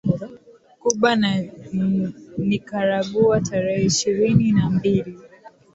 Kuba na Nicaragua Tarehe ishirini na mbili